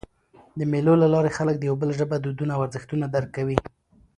د مېلو له لاري خلک د یو بل ژبه، دودونه او ارزښتونه درک کوي.